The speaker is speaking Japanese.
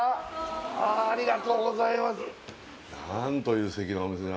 ありがとうございます